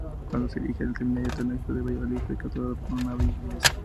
Cuando se dirigía al Seminario Teológico de Valladolid fue capturado por una nave inglesa.